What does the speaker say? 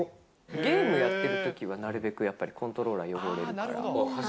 ゲームやってるときは、なるべくやっぱりコントローラー汚れるから。